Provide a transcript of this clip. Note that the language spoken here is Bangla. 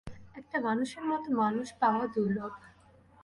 এরকম মানুষের মতো মানুষ পাওয়া দুর্লভ।